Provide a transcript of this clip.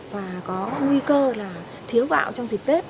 và có nguy cơ là thiếu gạo trong dịp tết